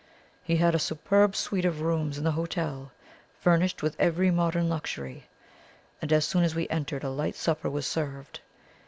He had a superb suite of rooms in the hotel, furnished with every modern luxury; and as soon as we entered a light supper was served.